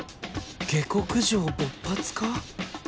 下克上勃発か？